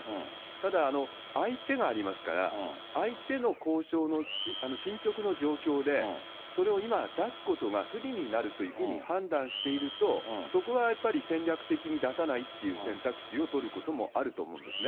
ただ、相手がありますから、相手の交渉の進捗の状況で、それを今、出すことが不利になるというふうに判断していると、そこはやっぱり戦略的に出さないっていう選択肢を取ることもあると思うんですね。